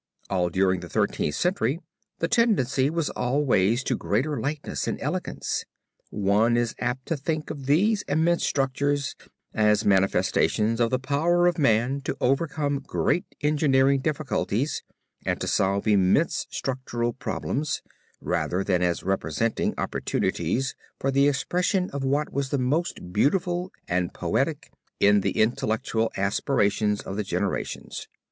All during the Thirteenth Century the tendency was always to greater lightness and elegance. One is apt to think of these immense structures as manifestations of the power of man to overcome great engineering difficulties and to solve immense structural problems, rather than as representing opportunities for the expression of what was most beautiful and poetic in the intellectual aspirations of the generations.